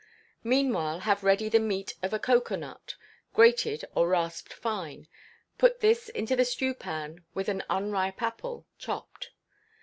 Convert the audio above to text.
Meanwhile, have ready the meat of a cocoa nut, grated or rasped fine, put this into the stewpan with an unripe apple, chopped.